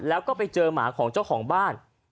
แล้วก็ไปเจอหมาของเจ้าของบ้าน